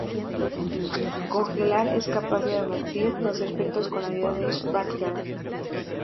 Congelar es capaz de revertir los efectos con la ayuda de Batgirl.